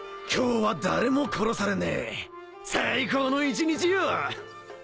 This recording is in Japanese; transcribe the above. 今日は誰も殺されねえ最高の一日よ！